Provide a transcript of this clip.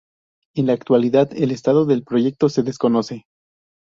En la actualidad, el estado del proyecto se desconoce.